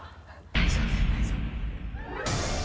大丈夫？